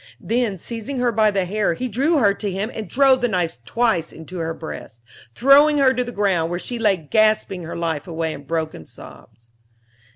Then, seizing her by the hair, he drew her to him and drove the knife twice into her breast, throwing her to the ground, where she lay gasping her life away in broken sobs.